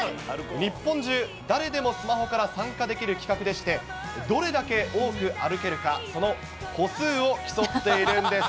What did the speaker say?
日本中、誰でもスマホから参加できる企画でして、どれだけ多く歩けるか、その歩数を競っているんです。